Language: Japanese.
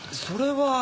それは。